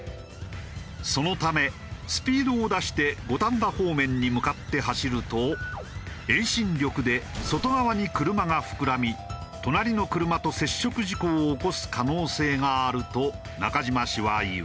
そのためスピードを出して五反田方面に向かって走ると遠心力で外側に車が膨らみ隣の車と接触事故を起こす可能性があると中島氏は言う。